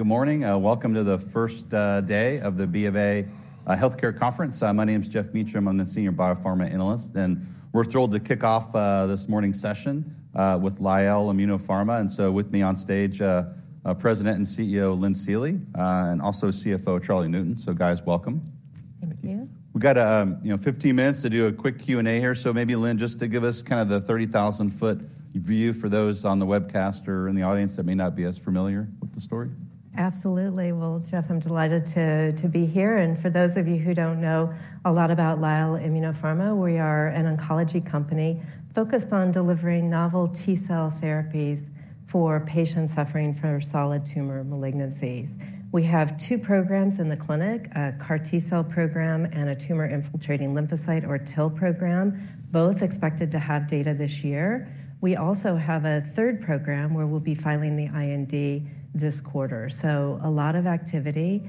Good morning. Welcome to the first day of the BofA Healthcare Conference. My name is Geoff Meacham. I'm the Senior Biopharma analyst, and we're thrilled to kick off this morning's session with Lyell Immunopharma. And so with me on stage, President and CEO Lynn Seely and also CFO Charlie Newton. So guys, welcome. Thank you. Thank you. We've got, you know, 15 minutes to do a quick Q&A here. So maybe, Lynn, just to give us kind of the 30,000-foot view for those on the webcast or in the audience that may not be as familiar with the story. Absolutely. Well, Geoff, I'm delighted to be here, and for those of you who don't know a lot about Lyell Immunopharma, we are an oncology company focused on delivering novel T cell therapies for patients suffering from solid tumor malignancies. We have two programs in the clinic, a CAR T cell program and a Tumor Infiltrating Lymphocyte or TIL program, both expected to have data this year. We also have a third program where we'll be filing the IND this quarter, so a lot of activity.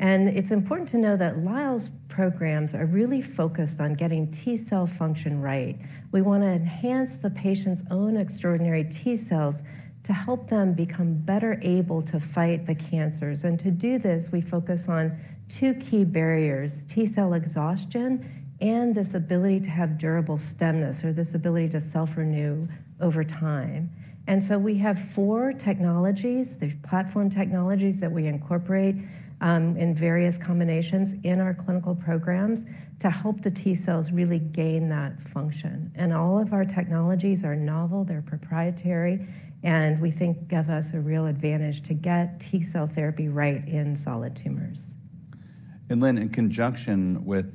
And it's important to know that Lyell's programs are really focused on getting T cell function right. We want to enhance the patient's own extraordinary T cells to help them become better able to fight the cancers. To do this, we focus on two key barriers: T cell exhaustion and this ability to have durable stemness, or this ability to self-renew over time. So we have four technologies. They're platform technologies that we incorporate in various combinations in our clinical programs to help the T cells really gain that function. And all of our technologies are novel, they're proprietary, and we think give us a real advantage to get T cell therapy right in solid tumors. Lynn, in conjunction with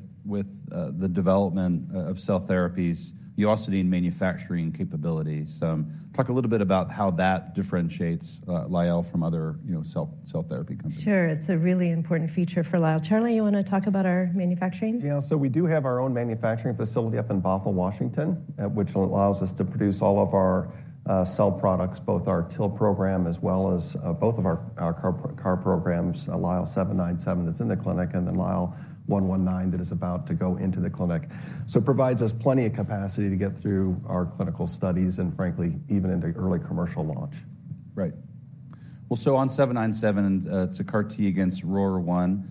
the development of cell therapies, you also need manufacturing capabilities. Talk a little bit about how that differentiates Lyell from other, you know, cell therapy companies. Sure. It's a really important feature for Lyell. Charlie, you want to talk about our manufacturing? Yeah. So we do have our own manufacturing facility up in Bothell, Washington, which allows us to produce all of our cell products, both our TIL program, as well as both of our CAR programs, LYL797, that's in the clinic, and then LYL119, that is about to go into the clinic. So it provides us plenty of capacity to get through our clinical studies and frankly, even into early commercial launch. Right. Well, so on 797, and, it's a CAR T against ROR1,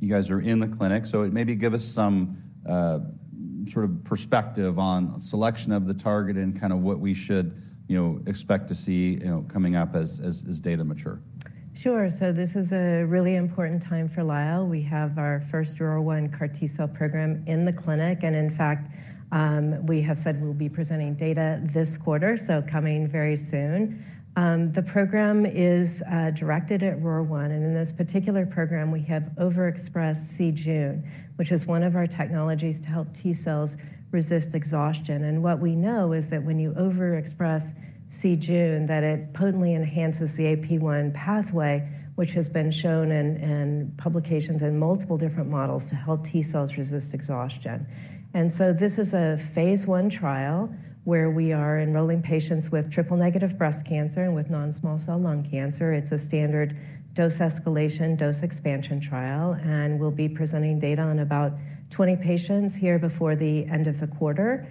you guys are in the clinic, so maybe give us some sort of perspective on selection of the target and kind of what we should, you know, expect to see, you know, coming up as data mature? Sure. So this is a really important time for Lyell. We have our first ROR1 CAR T cell program in the clinic, and in fact, we have said we'll be presenting data this quarter, so coming very soon. The program is directed at ROR1, and in this particular program, we have overexpressed c-Jun, which is one of our technologies to help T cells resist exhaustion. And what we know is that when you overexpress c-Jun, that it potently enhances the AP-1 pathway, which has been shown in publications in multiple different models to help T cells resist exhaustion. And so this is a phase I trial where we are enrolling patients with triple-negative breast cancer and with non-small cell lung cancer. It's a standard dose escalation, dose expansion trial, and we'll be presenting data on about 20 patients here before the end of the quarter.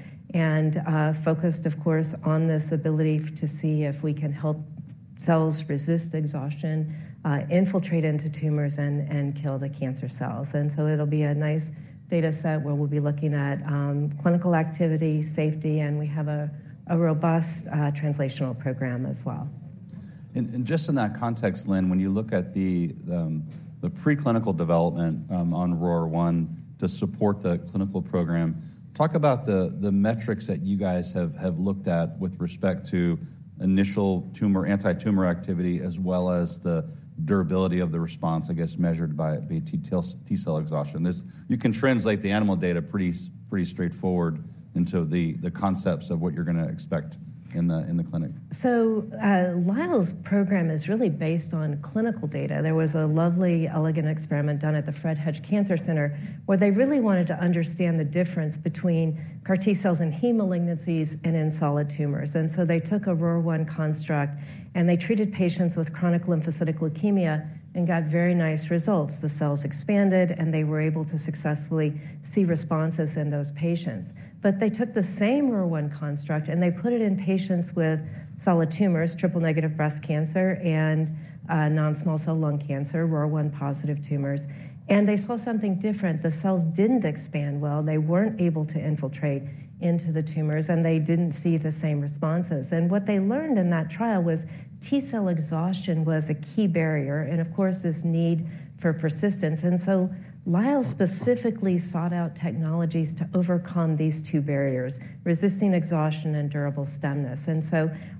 Focused, of course, on this ability to see if we can help cells resist exhaustion, infiltrate into tumors and kill the cancer cells. So it'll be a nice data set where we'll be looking at clinical activity, safety, and we have a robust translational program as well. And just in that context, Lynn, when you look at the preclinical development on ROR1 to support the clinical program, talk about the metrics that you guys have looked at with respect to initial tumor antitumor activity, as well as the durability of the response, I guess, measured by T cell exhaustion. You can translate the animal data pretty straightforward into the concepts of what you're going to expect in the clinic. So, Lyell's program is really based on clinical data. There was a lovely, elegant experiment done at the Fred Hutch Cancer Center, where they really wanted to understand the difference between CAR T cells in hematologic malignancies and in solid tumors. And so they took a ROR1 construct, and they treated patients with chronic lymphocytic leukemia and got very nice results. The cells expanded, and they were able to successfully see responses in those patients. But they took the same ROR1 construct, and they put it in patients with solid tumors, triple-negative breast cancer and non-small cell lung cancer, ROR1-positive tumors, and they saw something different. The cells didn't expand well. They weren't able to infiltrate into the tumors, and they didn't see the same responses. And what they learned in that trial was T cell exhaustion was a key barrier, and of course, this need for persistence. Lyell specifically sought out technologies to overcome these two barriers, resisting exhaustion and durable stemness.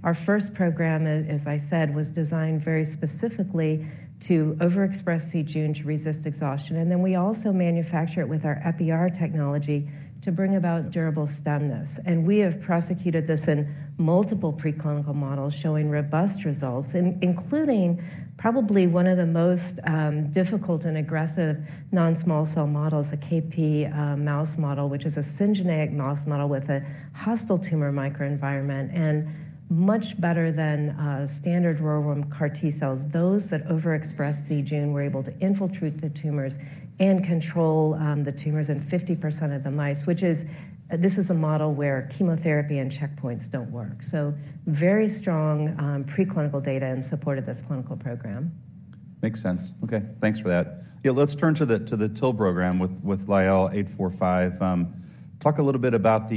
Our first program, as I said, was designed very specifically to overexpress c-Jun to resist exhaustion. Then we also manufacture it with our Epi-R technology to bring about durable stemness. We have prosecuted this in multiple preclinical models showing robust results, including probably one of the most difficult and aggressive non-small cell models, the KP mouse model, which is a syngeneic mouse model with a hostile tumor microenvironment and much better than standard ROR1 CAR T cells. Those that overexpress c-Jun were able to infiltrate the tumors and control the tumors in 50% of the mice, which is this is a model where chemotherapy and checkpoints don't work. Very strong preclinical data in support of this clinical program. Makes sense. Okay, thanks for that. Yeah, let's turn to the TIL program with LYL845. Talk a little bit about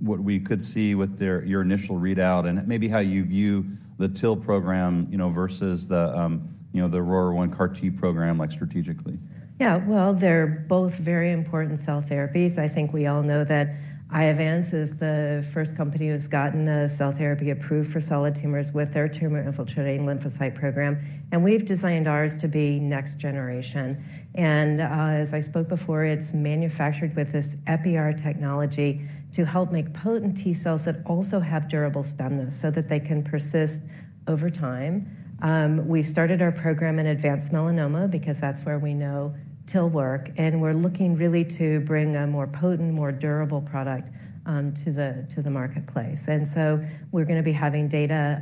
what we could see with your initial readout, and maybe how you view the TIL program, you know, versus the, you know, the ROR1 CAR T program, like strategically. Yeah, well, they're both very important cell therapies. I think we all know that Iovance is the first company who's gotten a cell therapy approved for solid tumors with their tumor-infiltrating lymphocyte program, and we've designed ours to be next generation. And as I spoke before, it's manufactured with this Epi-R technology to help make potent T cells that also have durable stemness, so that they can persist over time. We started our program in advanced melanoma because that's where we know TIL work, and we're looking really to bring a more potent, more durable product to the marketplace. And so we're going to be having data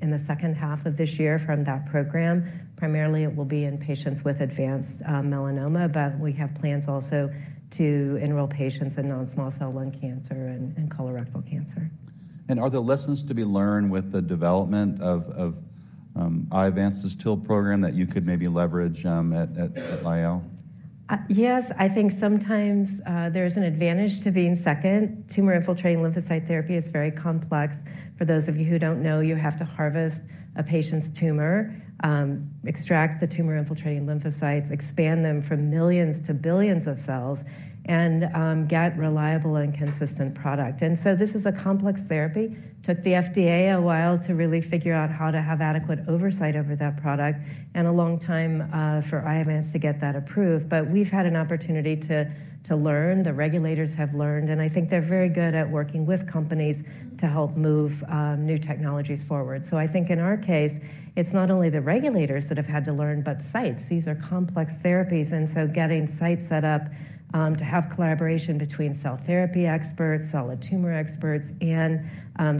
in the second half of this year from that program. Primarily, it will be in patients with advanced melanoma, but we have plans also to enroll patients in non-small cell lung cancer and colorectal cancer. Are there lessons to be learned with the development of Iovance's TIL program that you could maybe leverage at LYL? Yes, I think sometimes there's an advantage to being second. Tumor-infiltrating lymphocyte therapy is very complex. For those of you who don't know, you have to harvest a patient's tumor, extract the tumor-infiltrating lymphocytes, expand them from millions to billions of cells, and get reliable and consistent product. And so this is a complex therapy. Took the FDA a while to really figure out how to have adequate oversight over that product, and a long time for Iovance to get that approved. But we've had an opportunity to learn, the regulators have learned, and I think they're very good at working with companies to help move new technologies forward. So I think in our case, it's not only the regulators that have had to learn, but sites. These are complex therapies, and so getting sites set up to have collaboration between cell therapy experts, solid tumor experts, and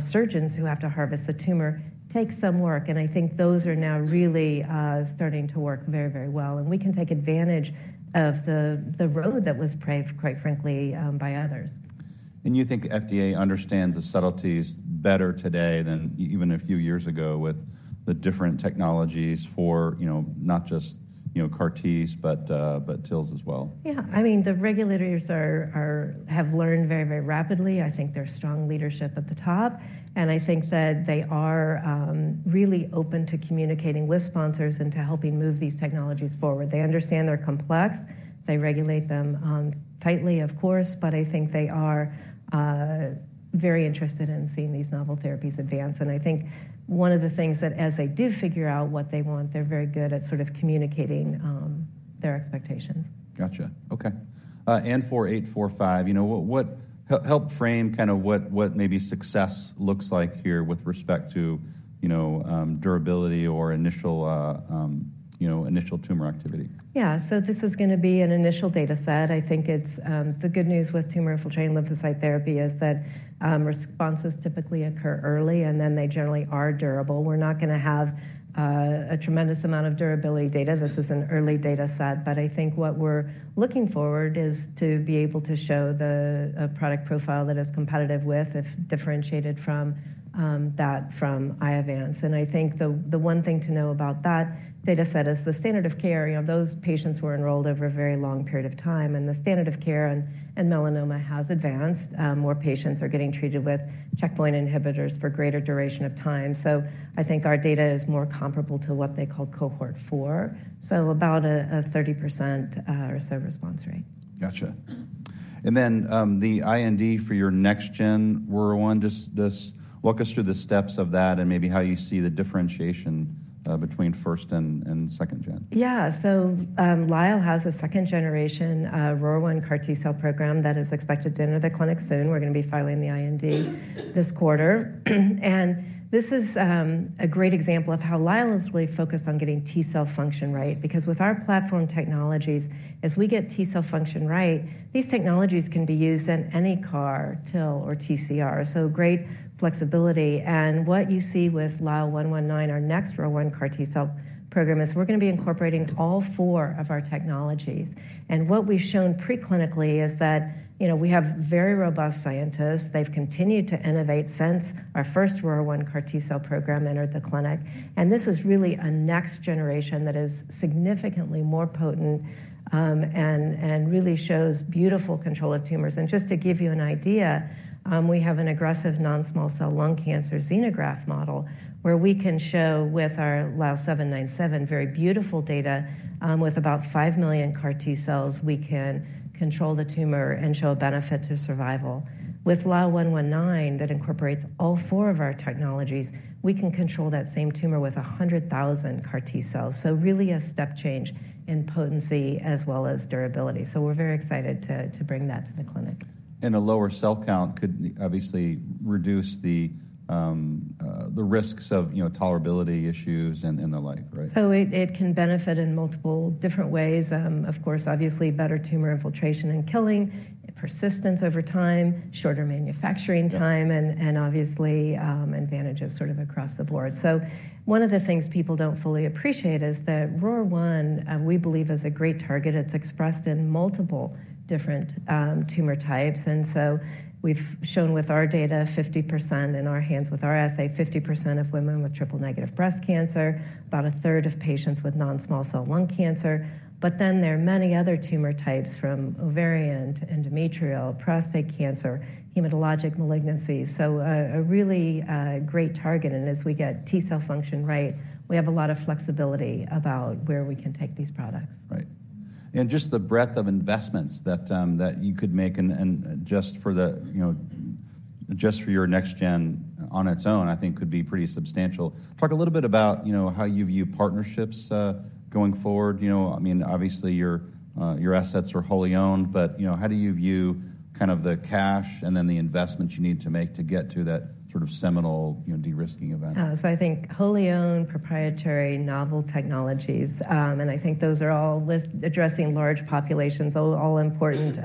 surgeons who have to harvest the tumor takes some work. And I think those are now really starting to work very, very well, and we can take advantage of the road that was paved, quite frankly, by others. You think FDA understands the subtleties better today than even a few years ago with the different technologies for, you know, not just, you know, CAR Ts, but but TILs as well? Yeah. I mean, the regulators have learned very, very rapidly. I think there's strong leadership at the top, and I think that they are really open to communicating with sponsors and to helping move these technologies forward. They understand they're complex. They regulate them tightly, of course, but I think they are very interested in seeing these novel therapies advance. And I think one of the things that as they do figure out what they want, they're very good at sort of communicating their expectations. Gotcha. Okay. And for 845, you know, help frame kinda what maybe success looks like here with respect to, you know, initial tumor activity? Yeah. So this is gonna be an initial data set. I think it's, The good news with tumor-infiltrating lymphocyte therapy is that, responses typically occur early, and then they generally are durable. We're not gonna have, a tremendous amount of durability data. This is an early data set, but I think what we're looking forward is to be able to show the, a product profile that is competitive with, if differentiated from, that from Iovance. And I think the, the one thing to know about that data set is the standard of care. You know, those patients were enrolled over a very long period of time, and the standard of care in, in melanoma has advanced. More patients are getting treated with checkpoint inhibitors for greater duration of time. So I think our data is more comparable to what they call Cohort Four, so about a 30% or so response rate. Gotcha. And then, the IND for your next gen ROR1, just, just walk us through the steps of that and maybe how you see the differentiation between first and second gen? Yeah. So, Lyell has a second-generation ROR1 CAR T cell program that is expected to enter the clinic soon. We're going to be filing the IND this quarter. And this is a great example of how Lyell is really focused on getting T cell function right, because with our platform technologies, as we get T cell function right, these technologies can be used in any CAR, TIL, or TCR, so great flexibility. And what you see with LYL119, our next ROR1 CAR T cell program, is we're going to be incorporating all four of our technologies. And what we've shown preclinically is that, you know, we have very robust scientists. They've continued to innovate since our first ROR1 CAR T cell program entered the clinic. And this is really a next generation that is significantly more potent and really shows beautiful control of tumors. Just to give you an idea, we have an aggressive non-small cell lung cancer xenograft model, where we can show with our LYL797, very beautiful data. With about 5 million CAR T cells, we can control the tumor and show a benefit to survival. With LYL119, that incorporates all 4 of our technologies, we can control that same tumor with 100,000 CAR T cells. So really a step change in potency as well as durability. So we're very excited to bring that to the clinic. A lower cell count could obviously reduce the risks of, you know, tolerability issues and the like, right? So it can benefit in multiple different ways. Of course, obviously, better tumor infiltration and killing, persistence over time, shorter manufacturing time and obviously, advantages sort of across the board. So one of the things people don't fully appreciate is that ROR1, we believe, is a great target. It's expressed in multiple different tumor types. And so we've shown with our data, 50% in our hands, with our assay, 50% of women with triple-negative breast cancer, about a third of patients with non-small cell lung cancer. But then there are many other tumor types, from ovarian to endometrial, prostate cancer, hematologic malignancies. So a really great target, and as we get T cell function right, we have a lot of flexibility about where we can take these products. Right. And just the breadth of investments that you could make and just for the, you know, just for your next gen on its own, I think could be pretty substantial. Talk a little bit about, you know, how you view partnerships going forward. You know, I mean, obviously, your your assets are wholly owned, but, you know, how do you view kind of the cash and then the investments you need to make to get to that sort of seminal, you know, de-risking event? So I think wholly owned, proprietary, novel technologies, and I think those are all with addressing large populations, all important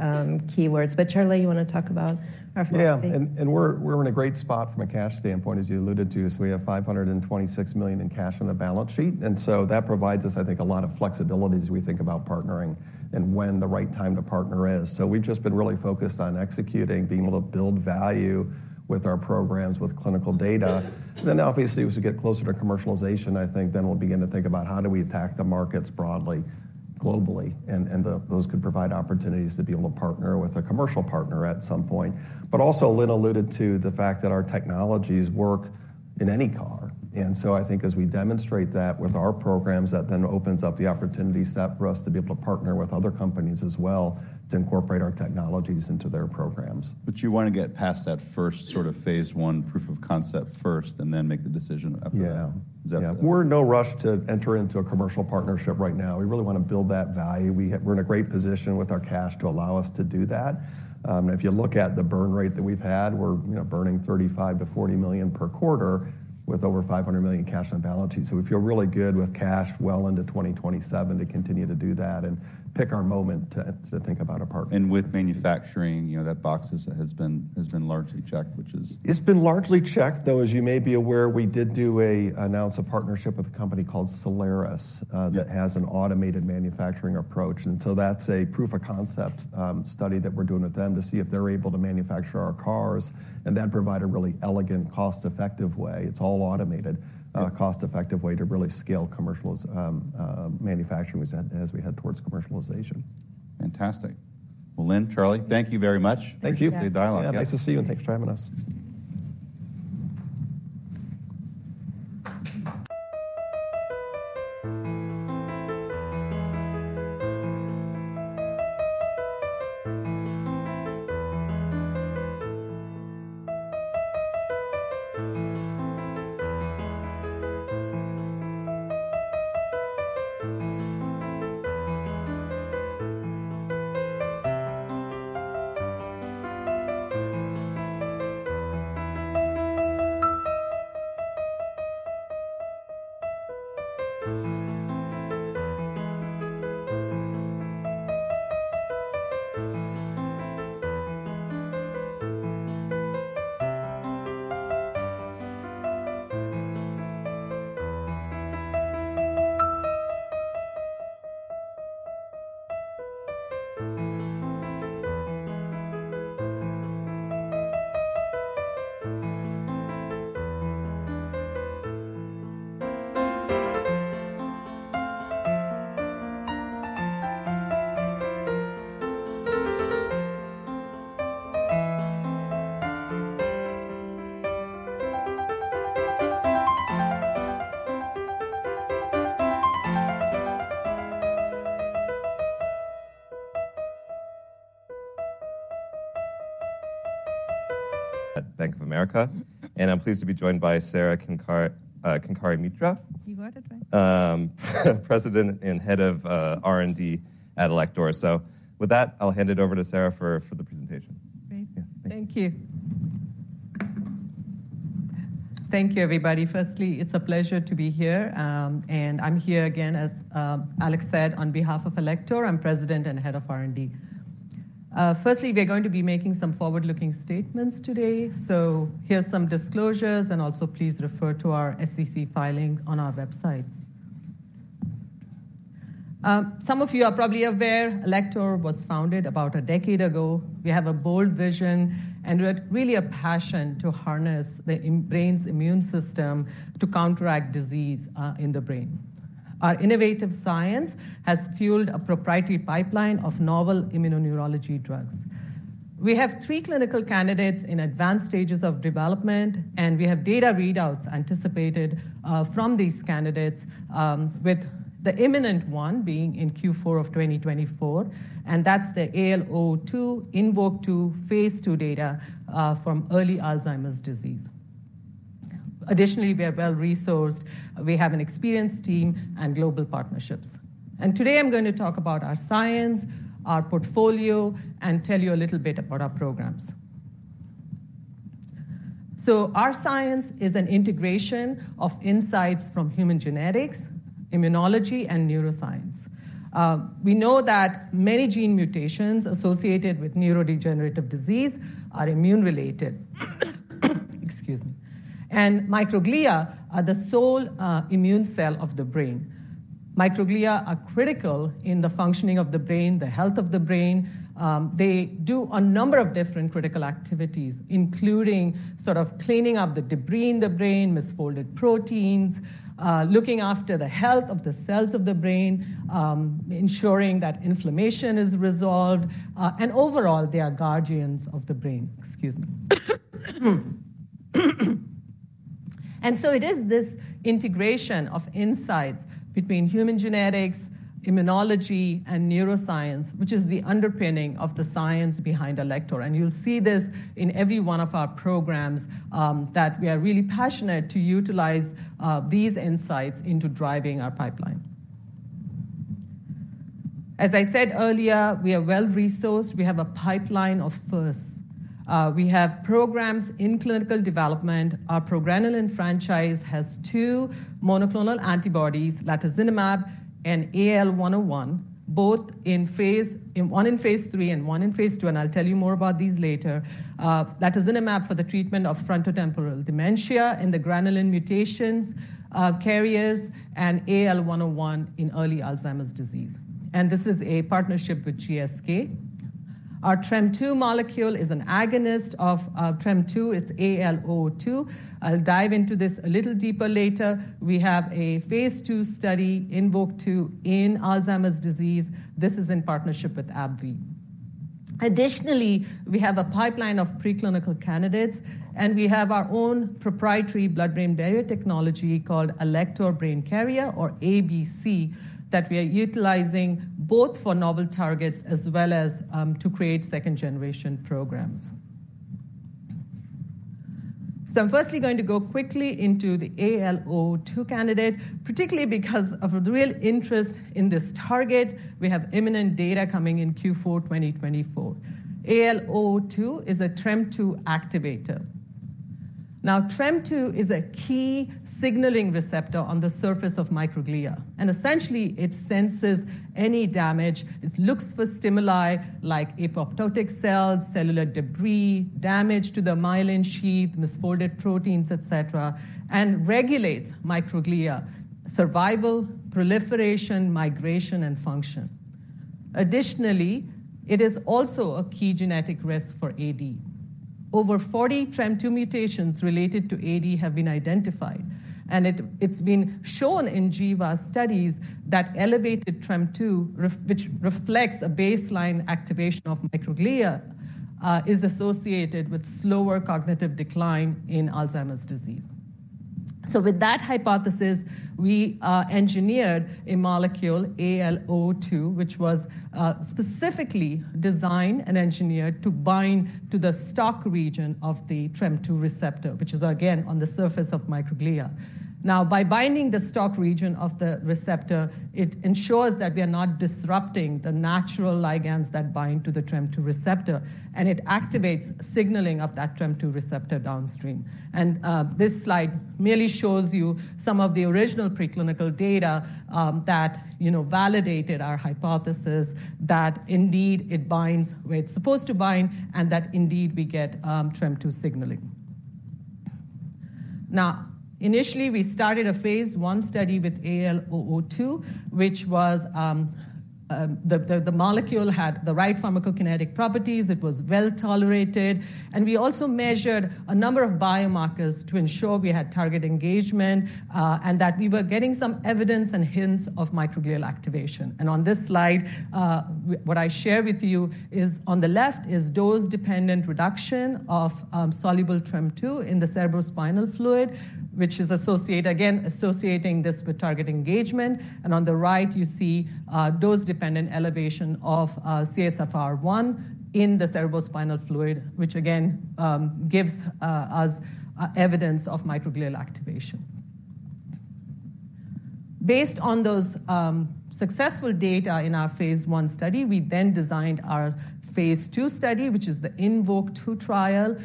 keywords. But Charlie, you want to talk about our philosophy? Yeah, and, and we're, we're in a great spot from a cash standpoint, as you alluded to. So we have $526 million in cash on the balance sheet, and so that provides us, I think, a lot of flexibility as we think about partnering and when the right time to partner is. So we've just been really focused on executing, being able to build value with our programs, with clinical data. Then obviously, as we get closer to commercialization, I think then we'll begin to think about how do we attack the markets broadly, globally, and, and the-- those could provide opportunities to be able to partner with a commercial partner at some point. But also, Lynn alluded to the fact that our technologies work in any CAR. And so I think as we demonstrate that with our programs, that then opens up the opportunity set for us to be able to partner with other companies as well to incorporate our technologies into their programs. You want to get past that first sort of phase 1 proof of concept first, and then make the decision after. Yeah. Is that it? We're in no rush to enter into a commercial partnership right now. We really want to build that value. We're in a great position with our cash to allow us to do that. If you look at the burn rate that we've had, we're, you know, burning $35 million-$40 million per quarter, with over $500 million cash on the balance sheet. So we feel really good with cash well into 2027 to continue to do that and pick our moment to think about a partner. With manufacturing, you know, that box has been largely checked, which is. It's been largely checked, though, as you may be aware, we did announce a partnership with a company called Cellares that has an automated manufacturing approach. And so that's a proof of concept study that we're doing with them to see if they're able to manufacture our CARs and then provide a really elegant, cost-effective way. It's all automated, cost-effective way to really scale commercials manufacturing as we head towards commercialization. Fantastic! Well, Lynn, Charlie, thank you very much. Thank you. Thank you for the dialogue. Yeah. Nice to see you, and thanks for having us. At Bank of America, I'm pleased to be joined by Sara Kenkare-Mitra. You got it right. President and Head of R&D at Alector. So with that, I'll hand it over to Sara for the presentation. Great. Yeah. Thank you. Thank you, everybody. Firstly, it's a pleasure to be here, and I'm here again, as Alec said, on behalf of Alector. I'm President and Head of R&D. Firstly, we are going to be making some forward-looking statements today, so here are some disclosures, and also please refer to our SEC filing on our websites. Some of you are probably aware, Alector was founded about a decade ago. We have a bold vision, and we had really a passion to harness the brain's immune system to counteract disease in the brain. Our innovative science has fueled a proprietary pipeline of novel immuno-neurology drugs. We have three clinical candidates in advanced stages of development, and we have data readouts anticipated from these candidates, with the imminent one being in Q4 of 2024, and that's the AL002 INVOKE-2 phase II data from early Alzheimer's disease. Additionally, we are well-resourced. We have an experienced team and global partnerships. Today I'm going to talk about our science, our portfolio, and tell you a little bit about our programs. Our science is an integration of insights from human genetics, immunology, and neuroscience. We know that many gene mutations associated with neurodegenerative disease are immune-related. Excuse me. Microglia are the sole immune cell of the brain. Microglia are critical in the functioning of the brain, the health of the brain. They do a number of different critical activities, including sort of cleaning up the debris in the brain, misfolded proteins, looking after the health of the cells of the brain, ensuring that inflammation is resolved, and overall, they are guardians of the brain. Excuse me. So it is this integration of insights between human genetics, immunology, and neuroscience, which is the underpinning of the science behind Alector. You'll see this in every one of our programs, that we are really passionate to utilize these insights into driving our pipeline. As I said earlier, we are well-resourced. We have a pipeline of firsts. We have programs in clinical development. Our progranulin franchise has two monoclonal antibodies, Latozinemab and AL101, both in phase—one in phase III and one in phase II, and I'll tell you more about these later. Latozinemab for the treatment of frontotemporal dementia in the granulin mutations carriers, and AL101 in early Alzheimer's disease. This is a partnership with GSK. Our TREM2 molecule is an agonist of TREM2. It's AL002. I'll dive into this a little deeper later. We have a phase II study, INVOKE-2, in Alzheimer's disease. This is in partnership with AbbVie. Additionally, we have a pipeline of preclinical candidates, and we have our own proprietary blood-brain barrier technology called Alector Brain Carrier, or ABC, that we are utilizing both for novel targets as well as to create second-generation programs. So I'm firstly going to go quickly into the AL002 candidate, particularly because of the real interest in this target. We have imminent data coming in Q4 2024. AL002 is a TREM2 activator. Now, TREM2 is a key signaling receptor on the surface of microglia, and essentially, it senses any damage. It looks for stimuli like apoptotic cells, cellular debris, damage to the myelin sheath, misfolded proteins, et cetera, and regulates microglia survival, proliferation, migration, and function. Additionally, it is also a key genetic risk for AD. Over 40 TREM2 mutations related to AD have been identified, and it's been shown in GWAS studies that elevated TREM2, which reflects a baseline activation of microglia, is associated with slower cognitive decline in Alzheimer's disease. So with that hypothesis, we engineered a molecule, AL002, which was specifically designed and engineered to bind to the stalk region of the TREM2 receptor, which is again on the surface of microglia. Now, by binding the stalk region of the receptor, it ensures that we are not disrupting the natural ligands that bind to the TREM2 receptor, and it activates signaling of that TREM2 receptor downstream. And, this slide merely shows you some of the original preclinical data that you know validated our hypothesis that indeed it binds where it's supposed to bind and that indeed we get TREM2 signaling. Now, initially, we started a phase I study with AL002, which was the molecule had the right pharmacokinetic properties. It was well-tolerated, and we also measured a number of biomarkers to ensure we had target engagement and that we were getting some evidence and hints of microglial activation. On this slide, what I share with you is on the left is dose-dependent reduction of soluble TREM2 in the cerebrospinal fluid, which is associated, again, associating this with target engagement. On the right, you see dose-dependent elevation of CSF1R in the cerebrospinal fluid, which again gives us evidence of microglial activation. Based on those successful data in our phase I study, we then designed our phase II study, which is the INVOKE-2 trial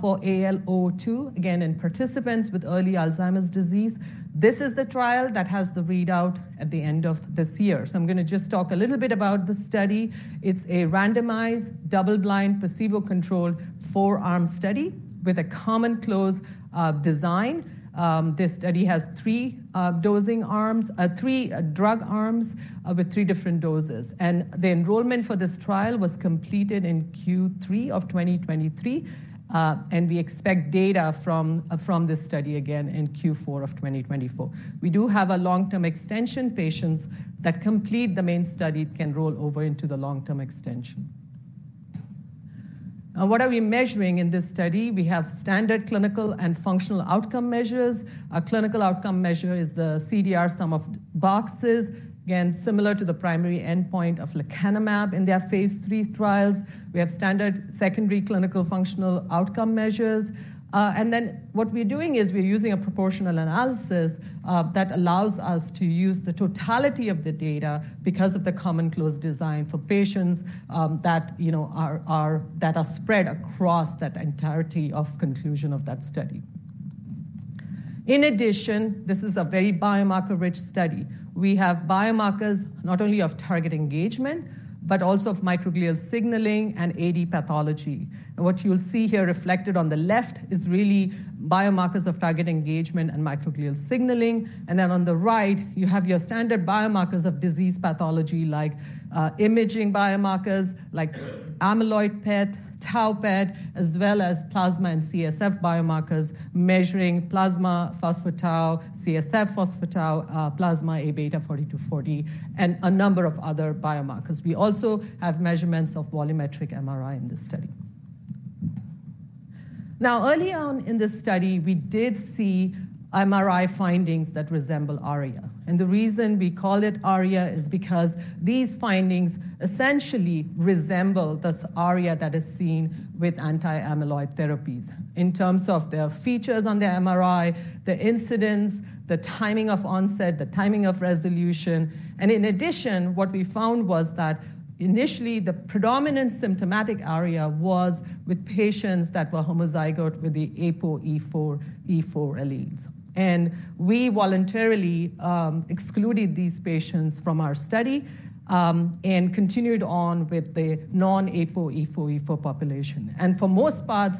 for AL002, again in participants with early Alzheimer's disease. This is the trial that has the readout at the end of this year. So I'm gonna just talk a little bit about the study. It's a randomized, double-blind, placebo-controlled four-arm study with a common close design. This study has three dosing arms, three drug arms, with three different doses. The enrollment for this trial was completed in Q3 of 2023, and we expect data from this study again in Q4 of 2024. We do have a long-term extension. Patients that complete the main study can roll over into the long-term extension. Now, what are we measuring in this study? We have standard clinical and functional outcome measures. Our clinical outcome measure is the CDR sum of boxes, again, similar to the primary endpoint of latozinemab in their phase III trials. We have standard secondary clinical functional outcome measures. And then what we're doing is we're using a proportional analysis that allows us to use the totality of the data because of the crossover design for patients that, you know, are spread across that entirety of the continuum of that study. In addition, this is a very biomarker-rich study. We have biomarkers not only of target engagement, but also of microglial signaling and AD pathology. And what you'll see here reflected on the left is really biomarkers of target engagement and microglial signaling. And then on the right, you have your standard biomarkers of disease pathology, like imaging biomarkers, like amyloid PET, tau PET, as well as plasma and CSF biomarkers, measuring plasma phospho-tau, CSF phospho-tau, plasma A beta 40/42, and a number of other biomarkers. We also have measurements of volumetric MRI in this study. Now, early on in this study, we did see MRI findings that resemble ARIA. And the reason we call it ARIA is because these findings essentially resemble this ARIA that is seen with anti-amyloid therapies in terms of their features on the MRI, the incidence, the timing of onset, the timing of resolution. And in addition, what we found was that initially, the predominant symptomatic ARIA was with patients that were homozygous with the APOE4/E4 alleles. And we voluntarily excluded these patients from our study, and continued on with the non-APOE4/E4 population. And for the most part,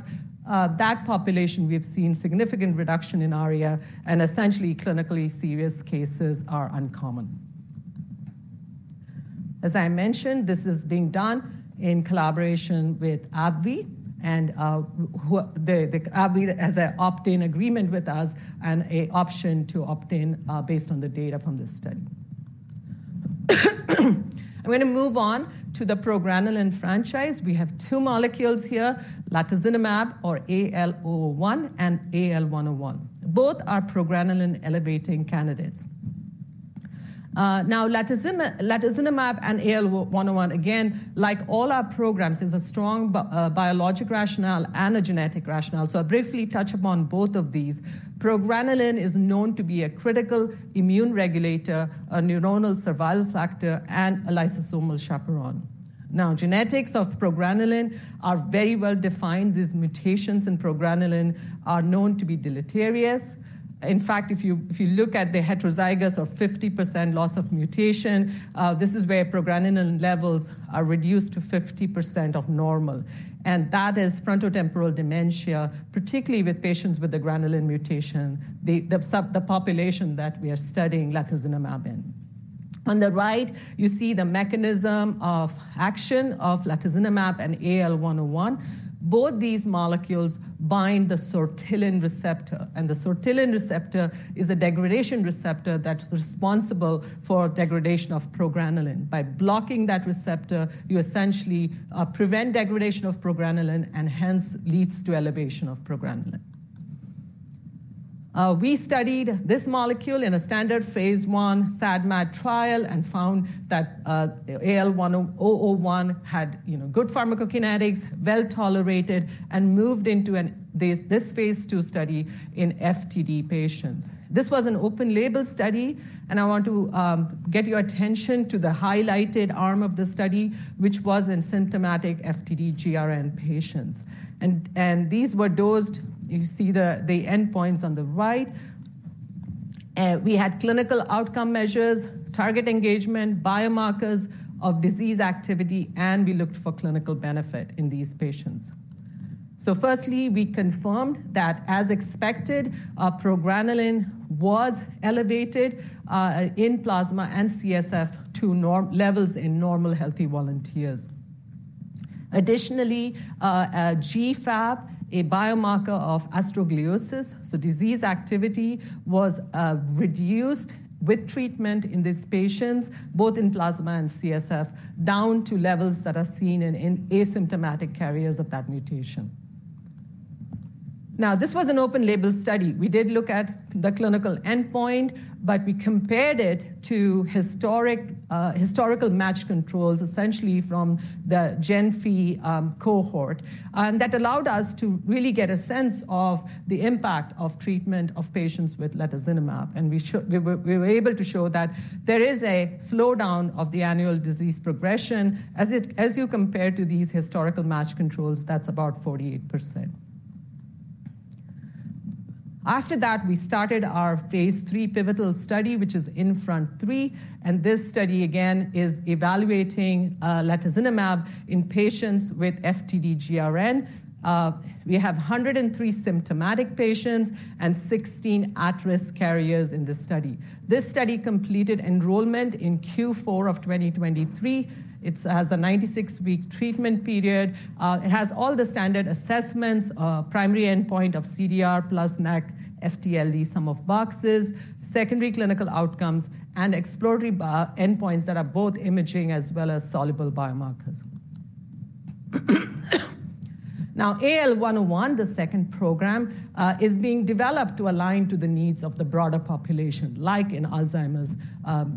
that population, we have seen significant reduction in ARIA, and essentially clinically serious cases are uncommon. As I mentioned, this is being done in collaboration with AbbVie, and the AbbVie has an opt-in agreement with us and an option to opt-in, based on the data from this study. I'm gonna move on to the progranulin franchise. We have two molecules here, latozinemab or AL001 and AL101. Both are progranulin-elevating candidates. Now, latozinemab and AL101, again, like all our programs, there's a strong biologic rationale and a genetic rationale, so I'll briefly touch upon both of these. Progranulin is known to be a critical immune regulator, a neuronal survival factor, and a lysosomal chaperone. Now, genetics of progranulin are very well defined. These mutations in progranulin are known to be deleterious. In fact, if you, if you look at the heterozygous of 50% loss of mutation, this is where progranulin levels are reduced to 50% of normal, and that is frontotemporal dementia, particularly with patients with a granulin mutation, the population that we are studying latozinemab in. On the right, you see the mechanism of action of latozinemab and AL101. Both these molecules bind the sortilin receptor, and the sortilin receptor is a degradation receptor that's responsible for degradation of progranulin. By blocking that receptor, you essentially prevent degradation of progranulin and hence leads to elevation of progranulin. We studied this molecule in a standard phase I SAD/MAD trial and found that AL101 had, you know, good pharmacokinetics, well-tolerated, and moved into this phase II study in FTD patients. This was an open-label study, and I want to get your attention to the highlighted arm of the study, which was in symptomatic FTD-GRN patients. And these were dosed. You see the endpoints on the right. We had clinical outcome measures, target engagement, biomarkers of disease activity, and we looked for clinical benefit in these patients. So firstly, we confirmed that, as expected, progranulin was elevated in plasma and CSF to normal levels in normal, healthy volunteers. Additionally, GFAP, a biomarker of astrogliosis, so disease activity, was reduced with treatment in these patients, both in plasma and CSF, down to levels that are seen in asymptomatic carriers of that mutation. Now, this was an open-label study. We did look at the clinical endpoint, but we compared it to historical match controls, essentially from the GENFI cohort. And that allowed us to really get a sense of the impact of treatment of patients with latozinemab. And we were able to show that there is a slowdown of the annual disease progression. As you compare to these historical match controls, that's about 48%. After that, we started our phase 3 pivotal study, which is INFRONT-3, and this study again is evaluating latozinemab in patients with FTD-GRN. We have 103 symptomatic patients and 16 at-risk carriers in this study. This study completed enrollment in Q4 of 2023. It has a 96-week treatment period. It has all the standard assessments, primary endpoint of CDR plus NACC FTLD sum of boxes, secondary clinical outcomes, and exploratory endpoints that are both imaging as well as soluble biomarkers. Now, AL101, the second program, is being developed to align to the needs of the broader population, like in Alzheimer's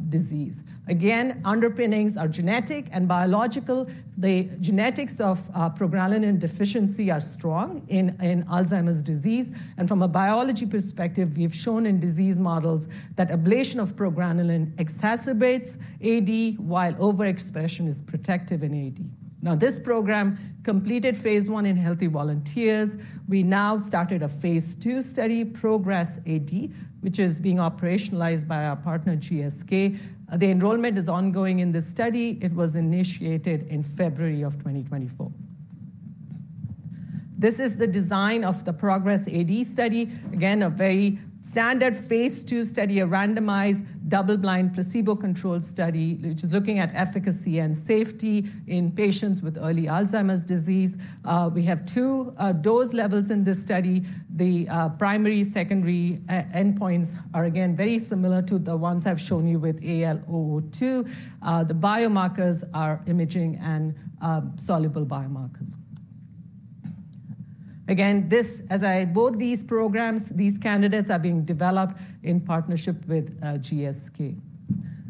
disease. Again, underpinnings are genetic and biological. The genetics of progranulin deficiency are strong in Alzheimer's disease, and from a biology perspective, we've shown in disease models that ablation of progranulin exacerbates AD, while overexpression is protective in AD. Now, this program completed phase I in healthy volunteers. We now started a phase II study, PROGRESS-AD, which is being operationalized by our partner, GSK. The enrollment is ongoing in this study. It was initiated in February of 2024. This is the design of the PROGRESS-AD study. Again, a very standard phase II study, a randomized, double-blind, placebo-controlled study, which is looking at efficacy and safety in patients with early Alzheimer's disease. We have two dose levels in this study. The primary, secondary endpoints are again very similar to the ones I've shown you with AL002. The biomarkers are imaging and soluble biomarkers. Again, both these programs, these candidates are being developed in partnership with GSK.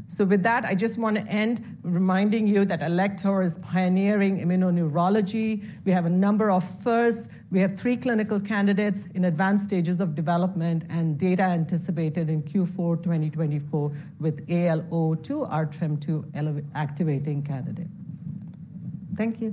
So with that, I just wanna end reminding you that Alector is pioneering immuno-neurology. We have a number of firsts. We have three clinical candidates in advanced stages of development, and data anticipated in Q4 2024 with AL002, our TREM2 activating candidate. Thank you.